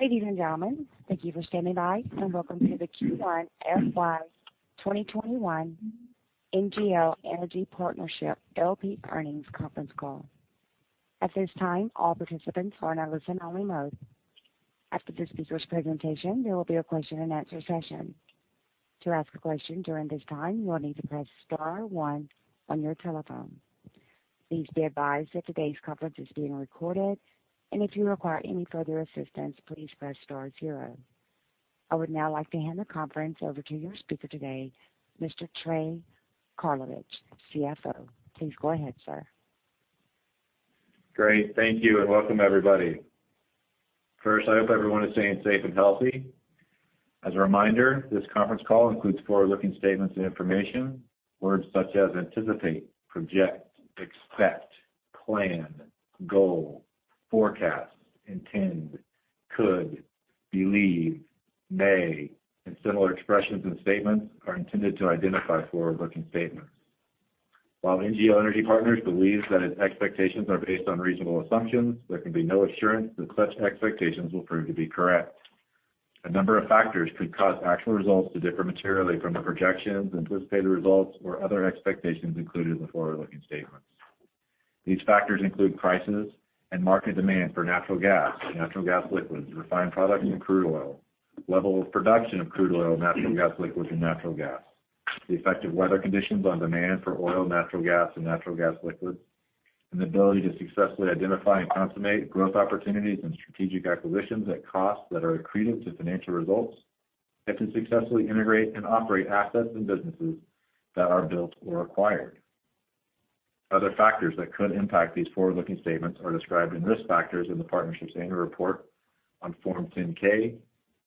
Ladies and gentlemen, thank you for standing by and welcome to the Q1 FY2021 NGL Energy Partners LP Earnings Conference Call. At this time, all participants are in a listen-only mode. After the speaker's presentation, there will be a question-and-answer session. To ask a question during this time, you will need to press star one on your telephone. Please be advised that today's conference is being recorded, and if you require any further assistance, please press star zero. I would now like to hand the conference over to your speaker today, Mr. Trey Karlovich, CFO. Please go ahead, sir. Great. Thank you, and welcome everybody. First, I hope everyone is staying safe and healthy. As a reminder, this conference call includes forward-looking statements and information. Words such as anticipate, project, expect, plan, goal, forecast, intend, could, believe, may, and similar expressions and statements are intended to identify forward-looking statements. While NGL Energy Partners believes that its expectations are based on reasonable assumptions, there can be no assurance that such expectations will prove to be correct. A number of factors could cause actual results to differ materially from the projections, anticipated results or other expectations included in the forward-looking statements. These factors include prices and market demand for natural gas and natural gas liquids, refined products from crude oil, level of production of crude oil, natural gas liquids and natural gas, the effect of weather conditions on demand for oil, natural gas, and natural gas liquids, and the ability to successfully identify and consummate growth opportunities and strategic acquisitions at costs that are accretive to financial results and to successfully integrate and operate assets and businesses that are built or acquired. Other factors that could impact these forward-looking statements are described in risk factors in the partnership's annual report on Form 10-K,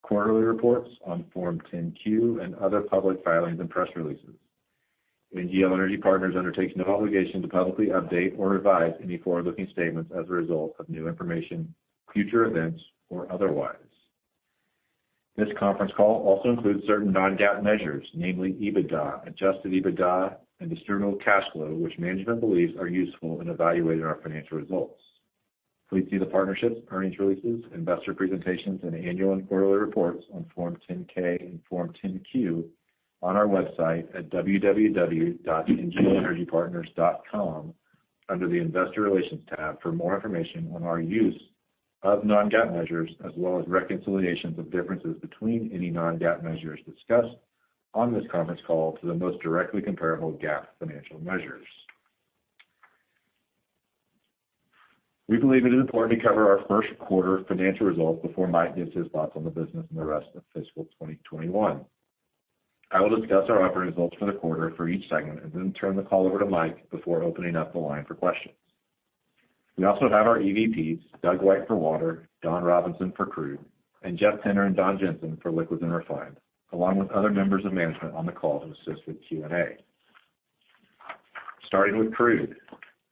quarterly reports on Form 10-Q, and other public filings and press releases. NGL Energy Partners undertakes no obligation to publicly update or revise any forward-looking statements as a result of new information, future events, or otherwise. This conference call also includes certain non-GAAP measures, namely EBITDA, adjusted EBITDA and distributable cash flow, which management believes are useful in evaluating our financial results. Please see the partnership's earnings releases, investor presentations, and annual and quarterly reports on Form 10-K and Form 10-Q on our website at www.nglenergypartners.com under the investor relations tab for more information on our use of non-GAAP measures, as well as reconciliations of differences between any non-GAAP measures discussed on this conference call to the most directly comparable GAAP financial measures. We believe it is important to cover our first quarter financial results before Mike gives his thoughts on the business and the rest of fiscal 2021. I will discuss our operating results for the quarter for each segment and then turn the call over to Mike before opening up the line for questions. We also have our EVPs, Doug White for Water Solutions, Don Robinson for Crude, and Jeff Pinter and Don Jensen for Liquids & Refined, along with other members of management on the call to assist with Q&A. Starting with Crude.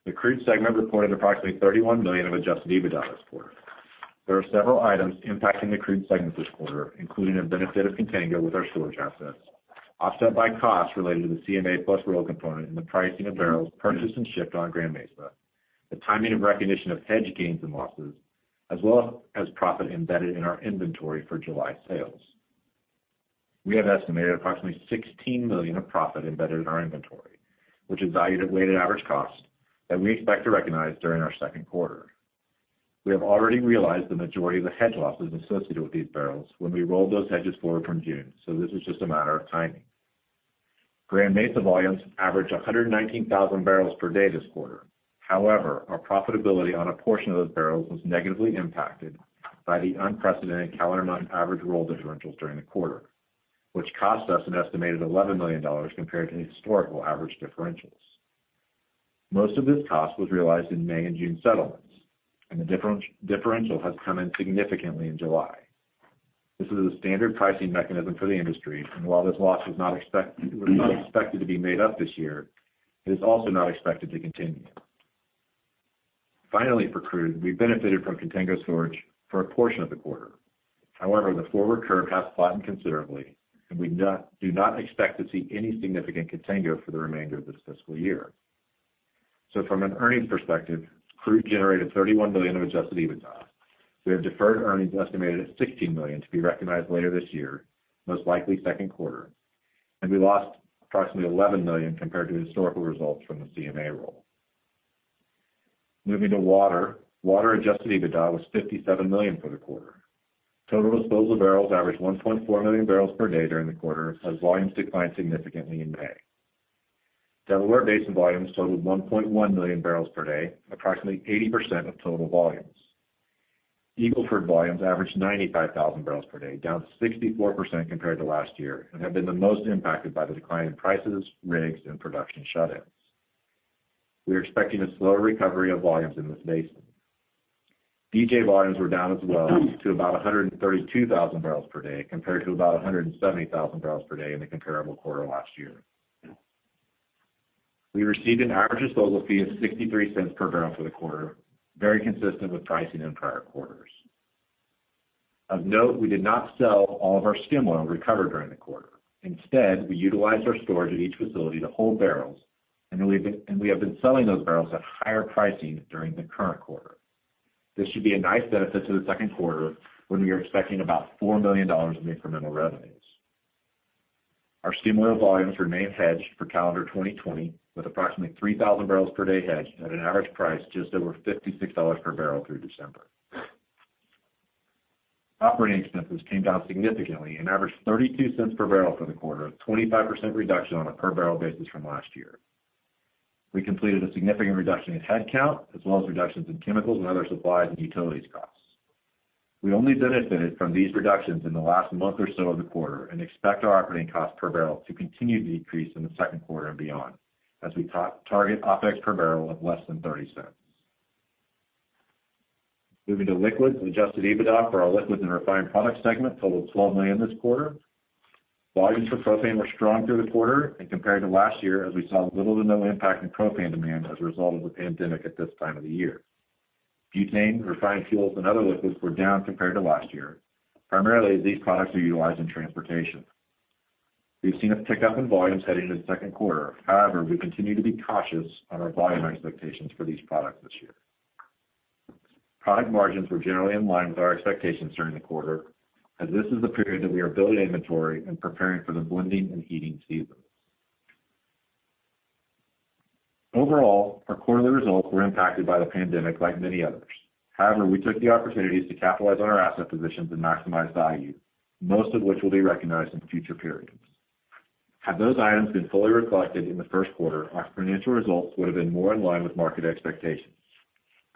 The Crude segment reported approximately $31 million of adjusted EBITDA this quarter. There are several items impacting the Crude segment this quarter, including a benefit of contango with our storage assets, offset by costs related to the CMA plus roll component in the pricing of barrels purchased and shipped on Grand Mesa, the timing and recognition of hedge gains and losses, as well as profit embedded in our inventory for July sales. We have estimated approximately $16 million of profit embedded in our inventory, which is valued at weighted average cost, that we expect to recognize during our second quarter. We have already realized the majority of the hedge losses associated with these barrels when we rolled those hedges forward from June, so this is just a matter of timing. Grand Mesa volumes averaged 119,000 bpd this quarter. However, our profitability on a portion of those barrels was negatively impacted by the unprecedented calendar month average roll differentials during the quarter, which cost us an estimated $11 million compared to historical average differentials. Most of this cost was realized in May and June settlements, and the differential has come in significantly in July. This is a standard pricing mechanism for the industry, and while this loss is not expected to be made up this year, it is also not expected to continue. Finally, for Crude, we benefited from contango storage for a portion of the quarter. However, the forward curve has flattened considerably, and we do not expect to see any significant contango for the remainder of this fiscal year. From an earnings perspective, Crude generated $31 million of adjusted EBITDA. We have deferred earnings estimated at $16 million to be recognized later this year, most likely second quarter, and we lost approximately $11 million compared to historical results from the CMA roll. Moving to Water. Water adjusted EBITDA was $57 million for the quarter. Total disposal barrels averaged 1.4 MMbpd during the quarter as volumes declined significantly in May. Delaware Basin volumes totaled 1.1 MMbpd, approximately 80% of total volumes. Eagle Ford volumes averaged 95,000 bpd, down 64% compared to last year, and have been the most impacted by the decline in prices, rigs, and production shut-ins. We are expecting a slow recovery of volumes in this basin. DJ volumes were down as well to about 132,000 bpd compared to about 170,000 bpd in the comparable quarter last year. We received an average disposal fee of $0.63/bbl for the quarter, very consistent with pricing in prior quarters. Of note, we did not sell all of our skim oil recovered during the quarter. Instead, we utilized our storage at each facility to hold barrels. We have been selling those barrels at higher pricing during the current quarter. This should be a nice benefit to the second quarter when we are expecting about $4 million in incremental revenues. Our skim oil volumes remain hedged for calendar 2020, with approximately 3,000 bpd hedged at an average price just over $56/bbl through December. Operating expenses came down significantly and averaged $0.32/bbl for the quarter, a 25% reduction on a per barrel basis from last year. We completed a significant reduction in headcount, as well as reductions in chemicals and other supplies and utilities costs. We only benefited from these reductions in the last month or so of the quarter and expect our operating cost per barrel to continue to decrease in the second quarter and beyond, as we target OPEX per barrel of less than $0.30. Moving to Liquids, adjusted EBITDA for our Liquids & Refined Products segment totaled $12 million this quarter. Volumes for propane were strong through the quarter and compared to last year, as we saw little to no impact in propane demand as a result of the pandemic at this time of the year. Butane, refined fuels, and other Liquids were down compared to last year. Primarily, these products are utilized in transportation. We've seen a pickup in volumes heading into the second quarter. However, we continue to be cautious on our volume expectations for these products this year. Product margins were generally in line with our expectations during the quarter, as this is the period that we are building inventory and preparing for the blending and heating season. Overall, our quarterly results were impacted by the pandemic like many others. However, we took the opportunities to capitalize on our asset positions and maximize value, most of which will be recognized in future periods. Had those items been fully reflected in the first quarter, our financial results would have been more in line with market expectations.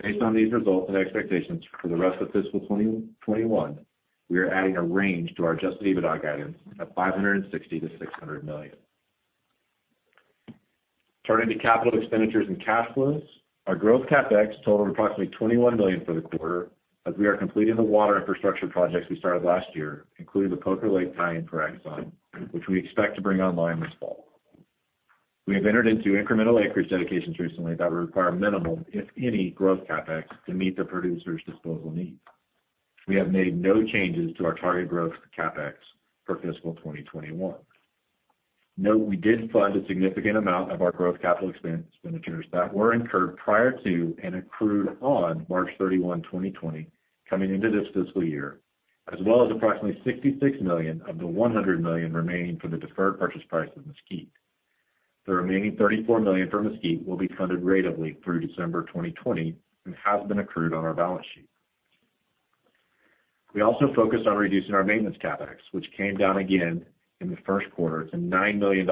Based on these results and expectations for the rest of fiscal 2021, we are adding a range to our adjusted EBITDA guidance of $560 million-$600 million. Turning to capital expenditures and cash flows, our growth CapEx totaled approximately $21 million for the quarter as we are completing the water infrastructure projects we started last year, including the Poker Lake tie-in for Exxon, which we expect to bring online this fall. We have entered into incremental acreage dedications recently that would require minimal, if any, growth CapEx to meet the producer's disposal needs. We have made no changes to our target growth CapEx for fiscal 2021. Note, we did fund a significant amount of our growth capital expenditures that were incurred prior to and accrued on March 31, 2020, coming into this fiscal year, as well as approximately $66 million of the $100 million remaining for the deferred purchase price of Mesquite. The remaining $34 million for Mesquite will be funded ratably through December 2020 and has been accrued on our balance sheet. We also focused on reducing our maintenance CapEx, which came down again in the first quarter to $9 million.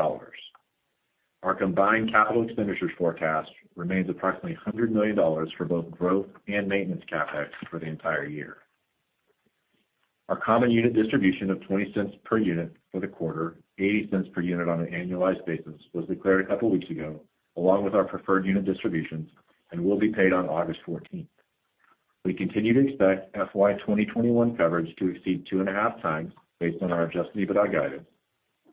Our combined capital expenditures forecast remains approximately $100 million for both growth and maintenance CapEx for the entire year. Our common unit distribution of $0.20 per unit for the quarter, $0.80 per unit on an annualized basis, was declared a couple of weeks ago, along with our preferred unit distributions and will be paid on August 14th. We continue to expect FY 2021 coverage to exceed two and a half times based on our adjusted EBITDA guidance,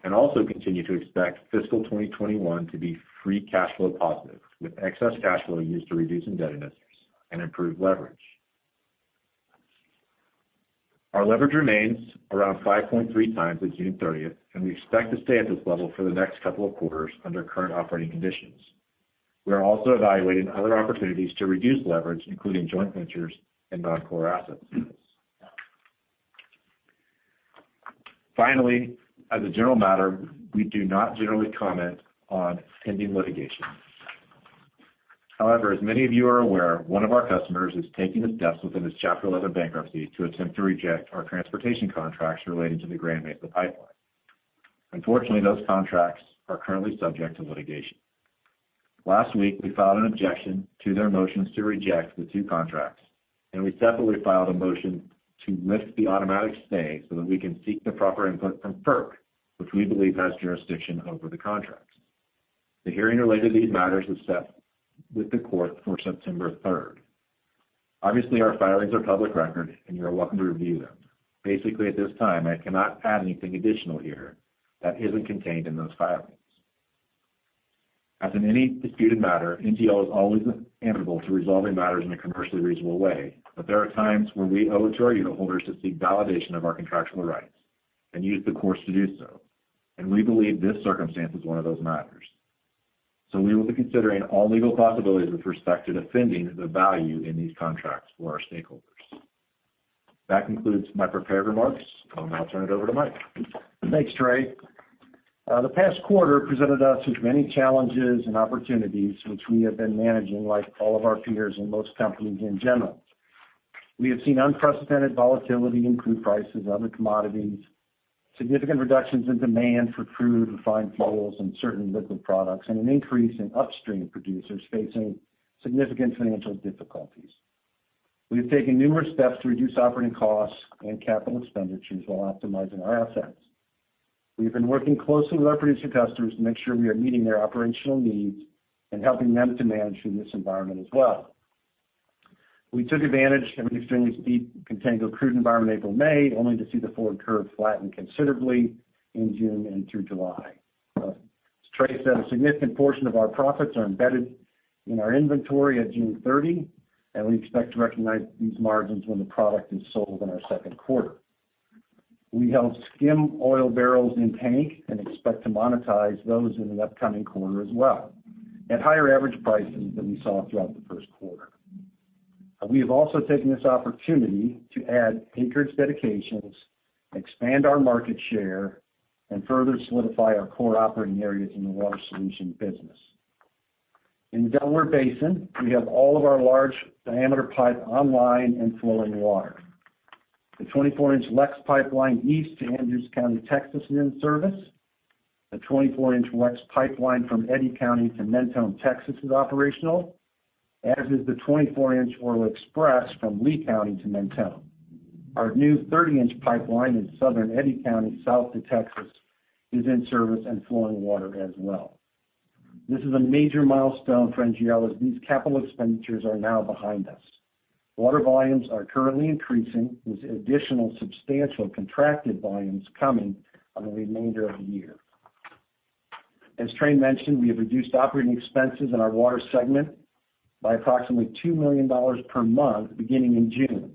and also continue to expect fiscal 2021 to be free cash flow positive, with excess cash flow used to reduce indebtedness and improve leverage. Our leverage remains around 5.3x as of June 30th, and we expect to stay at this level for the next couple of quarters under current operating conditions. We are also evaluating other opportunities to reduce leverage, including joint ventures and non-core assets. As a general matter, we do not generally comment on pending litigation. As many of you are aware, one of our customers is taking the steps within its Chapter 11 bankruptcy to attempt to reject our transportation contracts relating to the Grand Mesa pipeline. Those contracts are currently subject to litigation. Last week, we filed an objection to their motions to reject the two contracts, and we separately filed a motion to lift the automatic stay so that we can seek the proper input from FERC, which we believe has jurisdiction over the contracts. The hearing related to these matters is set with the court for September 3rd. Obviously, our filings are public record and you are welcome to review them. Basically, at this time, I cannot add anything additional here that isn't contained in those filings. As in any disputed matter, NGL is always amenable to resolving matters in a commercially reasonable way, but there are times when we owe it to our unit holders to seek validation of our contractual rights and use the courts to do so. We believe this circumstance is one of those matters. We will be considering all legal possibilities with respect to defending the value in these contracts for our stakeholders. That concludes my prepared remarks. I will now turn it over to Mike. Thanks, Trey. The past quarter presented us with many challenges and opportunities, which we have been managing like all of our peers and most companies in general. We have seen unprecedented volatility in crude prices, other commodities, significant reductions in demand for crude, refined fuels, and certain liquid products, and an increase in upstream producers facing significant financial difficulties. We have taken numerous steps to reduce operating costs and capital expenditures while optimizing our assets. We have been working closely with our producer customers to make sure we are meeting their operational needs and helping them to manage in this environment as well. We took advantage of an extremely steep contango crude environment April, May, only to see the forward curve flatten considerably in June and through July. As Trey said, a significant portion of our profits are embedded in our inventory at June 30, and we expect to recognize these margins when the product is sold in our second quarter. We held skim oil barrels in tank and expect to monetize those in an upcoming quarter as well, at higher average prices than we saw throughout the first quarter. We have also taken this opportunity to add acreage dedications, expand our market share, and further solidify our core operating areas in the Water Solutions business. In Delaware Basin, we have all of our large-diameter pipe online and flowing water. The 24-inch LEX pipeline east to Andrews County, Texas, is in service. The 24-inch LEX pipeline from Eddy County to Mentone, Texas, is operational, as is the 24-inch Oil Express from Lea County to Mentone. Our new 30-inch pipeline in southern Eddy County, south to Texas, is in service and flowing water as well. This is a major milestone for NGL as these capital expenditures are now behind us. Water volumes are currently increasing, with additional substantial contracted volumes coming on the remainder of the year. As Trey mentioned, we have reduced operating expenses in our Water segment by approximately $2 million per month beginning in June,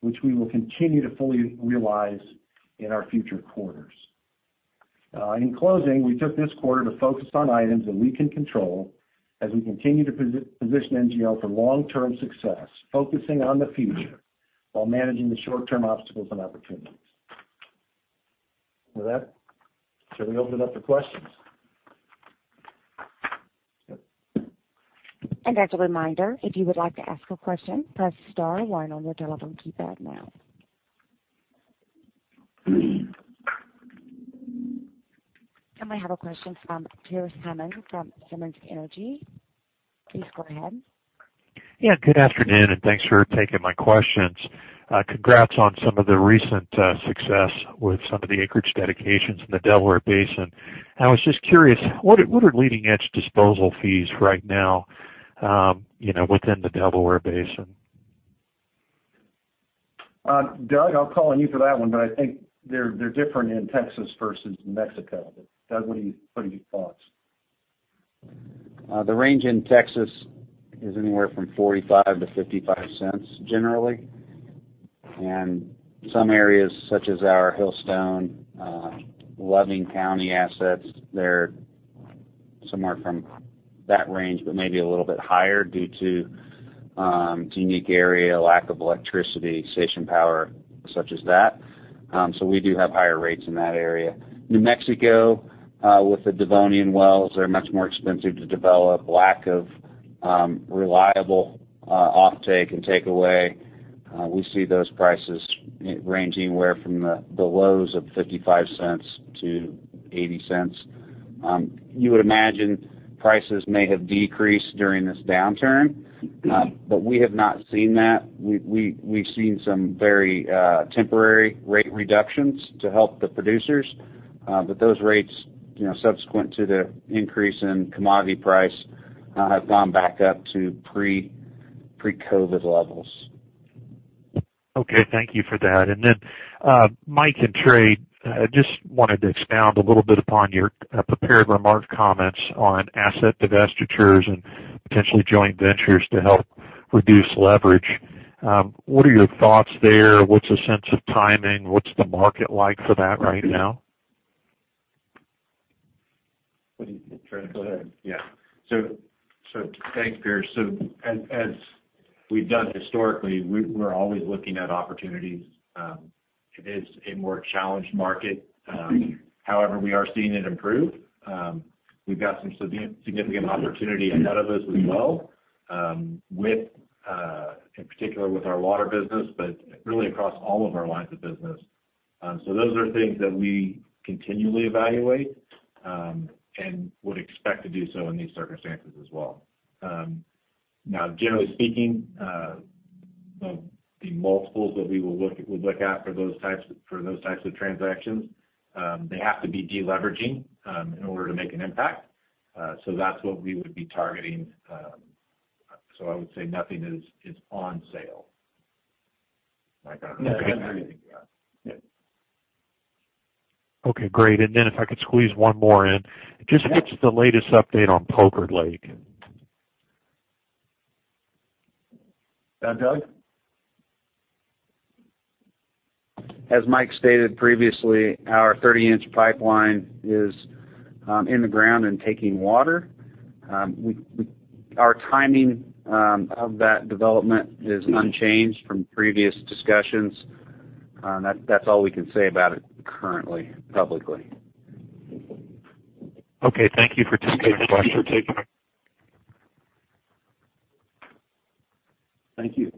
which we will continue to fully realize in our future quarters. In closing, we took this quarter to focus on items that we can control as we continue to position NGL for long-term success, focusing on the future while managing the short-term obstacles and opportunities. With that, should we open it up for questions? As a reminder, if you would like to ask a question, press star one on your telephone keypad now. We have a question from Pearce Hammond from Simmons Energy. Please go ahead. Yeah. Good afternoon, and thanks for taking my questions. Congrats on some of the recent success with some of the acreage dedications in the Delaware Basin. I was just curious, what are leading-edge disposal fees right now within the Delaware Basin? Doug, I'll call on you for that one, but I think they're different in Texas versus New Mexico. Doug, what are your thoughts? The range in Texas is anywhere from $0.45-$0.55 generally. Some areas, such as our Hillstone Loving County assets, they're somewhere from that range, but maybe a little bit higher due to unique area, lack of electricity, station power, such as that. We do have higher rates in that area. New Mexico, with the Devonian wells, they're much more expensive to develop, lack of reliable offtake and takeaway. We see those prices ranging where from the lows of $0.55-$0.80. You would imagine prices may have decreased during this downturn, but we have not seen that. We've seen some very temporary rate reductions to help the producers. Those rates, subsequent to the increase in commodity price, have gone back up to pre-COVID levels. Okay. Thank you for that. Mike and Trey, I just wanted to expound a little bit upon your prepared remarks comments on asset divestitures and potentially joint ventures to help reduce leverage. What are your thoughts there? What's a sense of timing? What's the market like for that right now? Trey, go ahead. Yeah. Thanks, Pearce. As we've done historically, we're always looking at opportunities. It is a more challenged market. However, we are seeing it improve. We've got some significant opportunity ahead of us as well, in particular with our water business, but really across all of our lines of business. Those are things that we continually evaluate and would expect to do so in these circumstances as well. Now, generally speaking, the multiples that we would look at for those types of transactions, they have to be de-leveraging in order to make an impact. That's what we would be targeting. I would say nothing is on sale. Mike, I don't know if you have anything to add. Yeah. Okay, great. If I could squeeze one more in. Just what's the latest update on Poker Lake? Doug? As Mike stated previously, our 30-inch pipeline is in the ground and taking water. Our timing of that development is unchanged from previous discussions. That's all we can say about it currently, publicly. Okay. Thank you for taking the question. Thank you.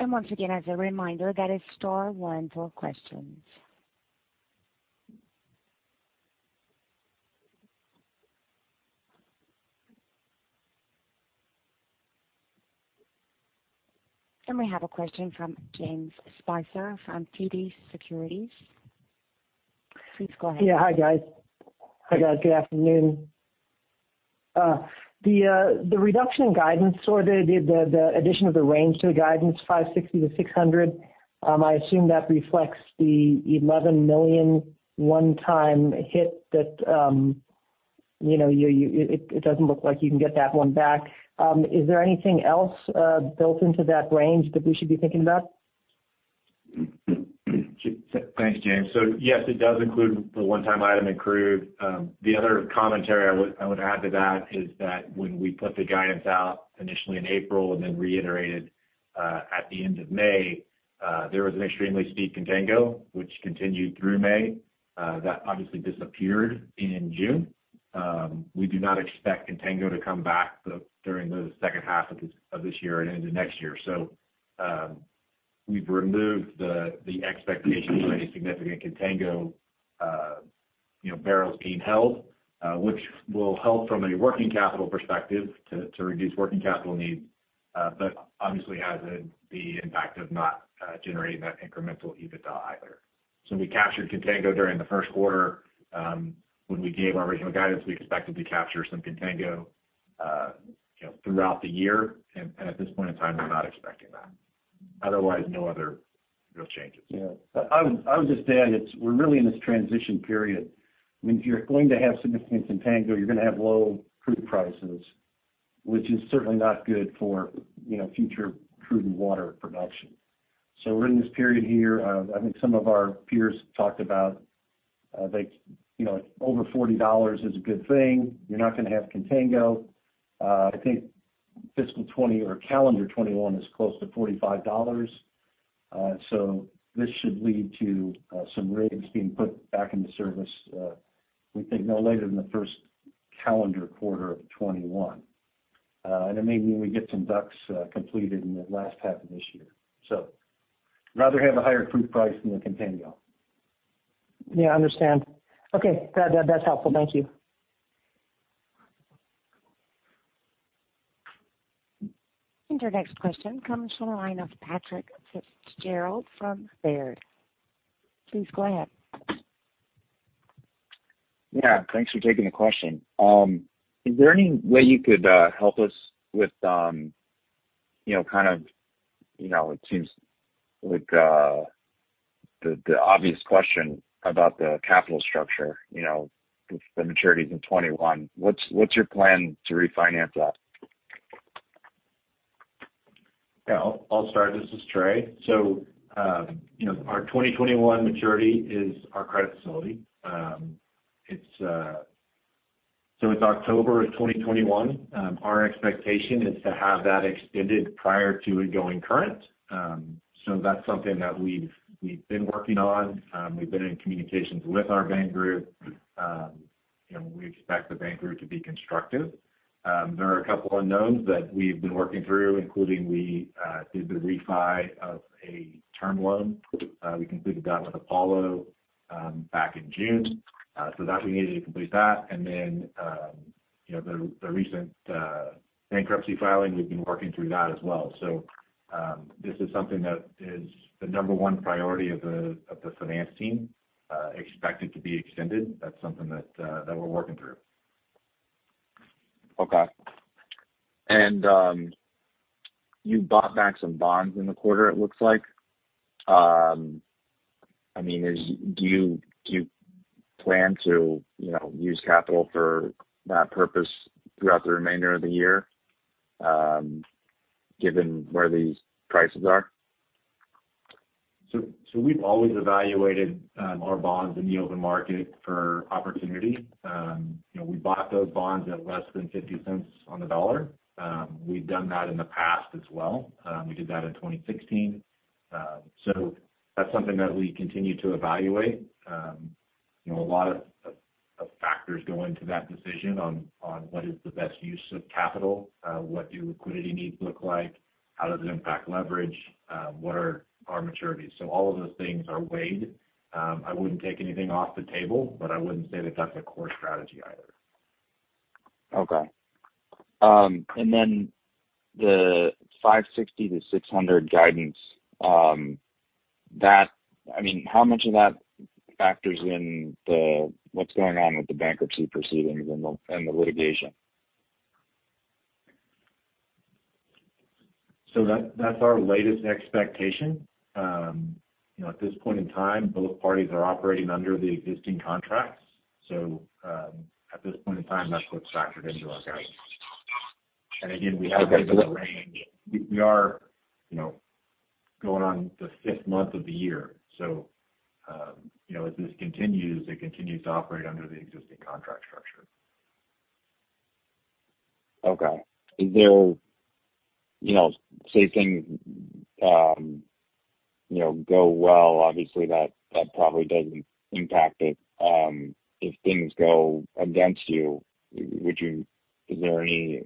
Once again, as a reminder, that is star one for questions. We have a question from James Spicer from TD Securities. Please go ahead. Yeah. Hi, guys. Good afternoon. The reduction in guidance or the addition of the range to the guidance, $560-$600, I assume that reflects the $11 million one-time hit that. It doesn't look like you can get that one back. Is there anything else built into that range that we should be thinking about? Thanks, James. Yes, it does include the one-time item accrued. The other commentary I would add to that is that when we put the guidance out initially in April and then reiterated at the end of May, there was an extremely steep contango, which continued through May. That obviously disappeared in June. We do not expect contango to come back during the second half of this year and into next year. We've removed the expectation of any significant contango barrels being held, which will help from a working capital perspective to reduce working capital needs, but obviously has the impact of not generating that incremental EBITDA either. We captured contango during the first quarter. When we gave our original guidance, we expected to capture some contango throughout the year, and at this point in time, we're not expecting that. Otherwise, no other real changes. Yeah. I would just add, we're really in this transition period. If you're going to have significant contango, you're going to have low crude prices, which is certainly not good for future crude oil water production. We're in this period here. I think some of our peers talked about over $40 is a good thing. You're not going to have contango. I think fiscal 2020 or calendar 2021 is close to $45. This should lead to some rigs being put back into service, we think no later than the first calendar quarter of 2021. That may mean we get some DUCs completed in the last half of this year. Rather have a higher crude price than the contango. Yeah, I understand. Okay. That's helpful. Thank you. Your next question comes from the line of Patrick Fitzgerald from Baird. Please go ahead. Yeah. Thanks for taking the question. Is there any way you could help us with the obvious question about the capital structure? The maturities in 2021, what's your plan to refinance that? Yeah, I'll start. This is Trey. Our 2021 maturity is our credit facility. It's October of 2021. Our expectation is to have that extended prior to it going current. That's something that we've been working on. We've been in communications with our bank group, and we expect the bank group to be constructive. There are a couple unknowns that we've been working through, including we did the refi of a term loan. We completed that with Apollo back in June. We needed to complete that. The recent bankruptcy filing, we've been working through that as well. This is something that is the number one priority of the finance team, expect it to be extended. That's something that we're working through. Okay. You bought back some bonds in the quarter, it looks like. Do you plan to use capital for that purpose throughout the remainder of the year given where these prices are? We've always evaluated our bonds in the open market for opportunity. We bought those bonds at less than $0.50 on the dollar. We've done that in the past as well. We did that in 2016. That's something that we continue to evaluate. A lot of factors go into that decision on what is the best use of capital, what do liquidity needs look like, how does it impact leverage, what are our maturities? All of those things are weighed. I wouldn't take anything off the table, but I wouldn't say that that's a core strategy either. Okay. The $560-$600 guidance, how much of that factors in what's going on with the bankruptcy proceedings and the litigation? That's our latest expectation. At this point in time, both parties are operating under the existing contracts. At this point in time, that's what's factored into our guidance. Again, we have given a range. We are going on the fifth month of the year. As this continues, it continues to operate under the existing contract structure. Okay. Say things go well, obviously that probably doesn't impact it. If things go against you, is there any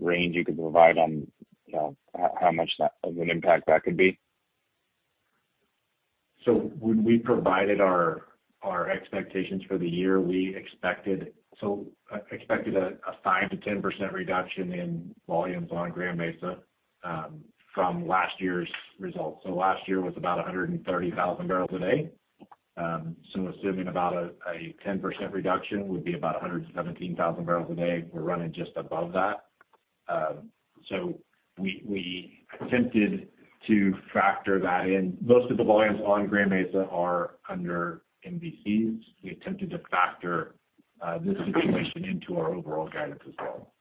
range you could provide on how much of an impact that could be? When we provided our expectations for the year, we expected a 5%-10% reduction in volumes on Grand Mesa from last year's results. Last year was about 130,000 bpd. I'm assuming about a 10% reduction would be about 117,000 bpd. We're running just above that. We attempted to factor that in. Most of the volumes on Grand Mesa are under MVCs. We attempted to factor this situation into our overall guidance as well.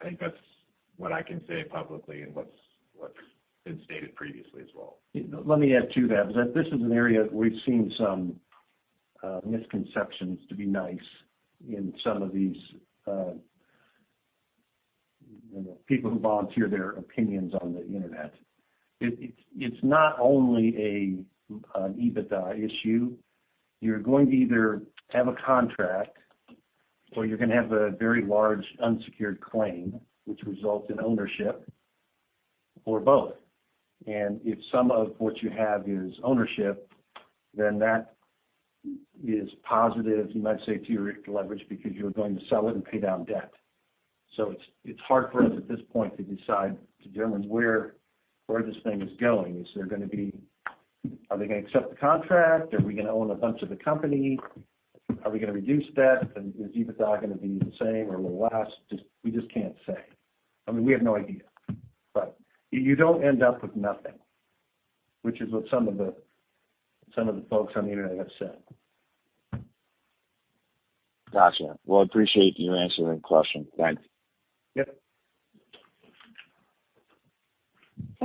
I think that's what I can say publicly and what's been stated previously as well. Let me add to that, because this is an area that we've seen some misconceptions, to be nice, in some of these people who volunteer their opinions on the internet. It's not only an EBITDA issue. You're going to either have a contract or you're going to have a very large unsecured claim, which results in ownership, or both. If some of what you have is ownership, then that is positive, you might say, to your leverage, because you're going to sell it and pay down debt. It's hard for us at this point to determine where this thing is going. Are they going to accept the contract? Are we going to own a bunch of the company? Are we going to reduce debt? Is EBITDA going to be the same or a little less? We just can't say. I mean, we have no idea. You don't end up with nothing, which is what some of the folks on the internet have said. Got you. Well, I appreciate you answering the question. Thanks. Yep.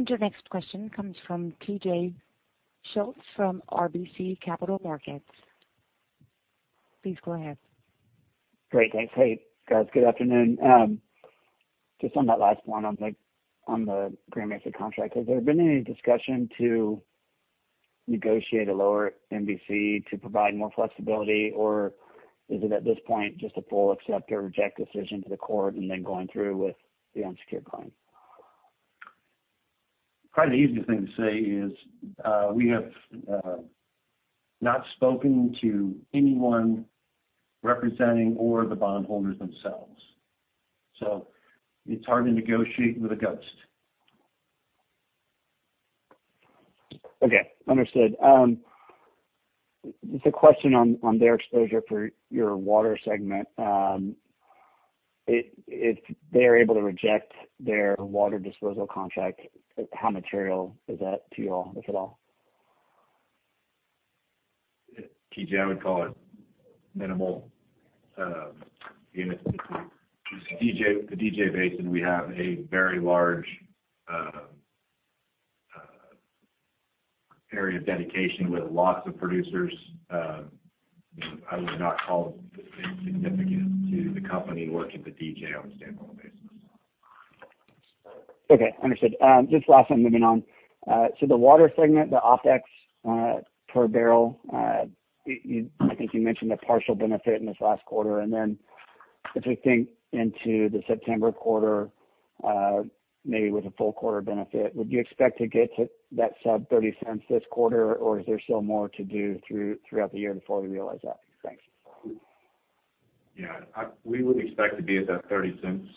Your next question comes from TJ Schultz from RBC Capital Markets. Please go ahead. Great. Thanks. Hey, guys. Good afternoon. Just on that last one on the Grand Mesa contract, has there been any discussion to negotiate a lower MVC to provide more flexibility, or is it at this point just a full accept or reject decision to the court and then going through with the unsecured claim? Probably the easiest thing to say is we have not spoken to anyone representing or the bondholders themselves. It's hard to negotiate with a ghost. Okay. Understood. Just a question on their exposure for your Water segment. If they're able to reject their water disposal contract, how material is that to you all, if at all? TJ, I would call it minimal. The DJ Basin, we have a very large area of dedication with lots of producers. I would not call this insignificant to the company working the DJ on a standalone basis. Okay. Understood. Just last one, moving on. The Water segment, the OpEx per barrel, I think you mentioned a partial benefit in this last quarter, and then if we think into the September quarter, maybe with a full quarter benefit, would you expect to get to that sub $0.30 this quarter, or is there still more to do throughout the year before we realize that? Thanks. Yeah. We would expect to be at that $0.30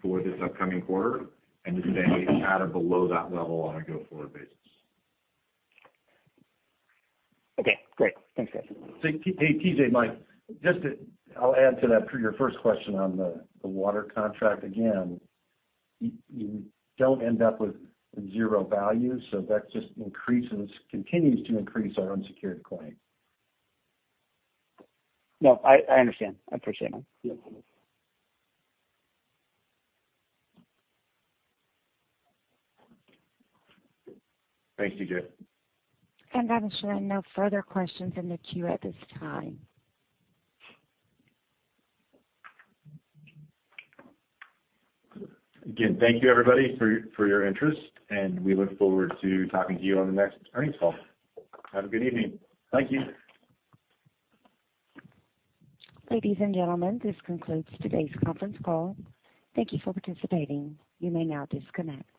for this upcoming quarter and to stay at or below that level on a go-forward basis. Okay, great. Thanks, guys. Hey, TJ, Mike, I'll add to that for your first question on the water contract. You don't end up with zero value, so that just continues to increase our unsecured claim. No, I understand. I appreciate it. Yeah. Thanks, TJ. I'm showing no further questions in the queue at this time. Again, thank you, everybody, for your interest. We look forward to talking to you on the next earnings call. Have a good evening. Thank you. Ladies and gentlemen, this concludes today's conference call. Thank you for participating. You may now disconnect.